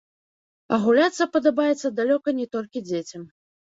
А гуляцца падабаецца далёка не толькі дзецям.